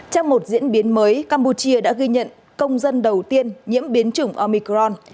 trong một diễn biến mới campuchia đã ghi nhận công dân đầu tiên nhiễm biến chủng omicron